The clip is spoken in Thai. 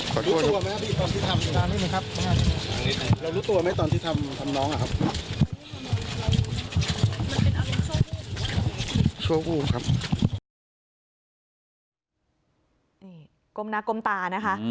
กลมหน้ากลมตานะคะ